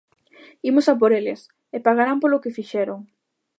Imos a por eles, e pagarán polo que fixeron.